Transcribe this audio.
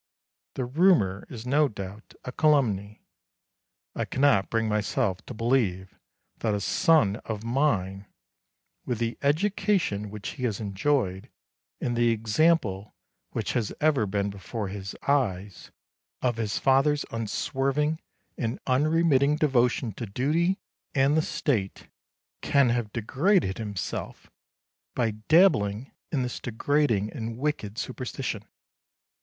The rumour is no doubt a calumny. I cannot bring myself to believe that a son of mine, with the education which he has enjoyed, and the example which has ever been before his eyes, of his father's unswerving and unremitting devotion to duty and the State, can have degraded himself by dabbling in this degrading and wicked superstition.